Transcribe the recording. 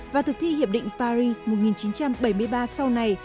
và thực thi hiệp định paris một nghìn chín trăm bảy mươi ba sau này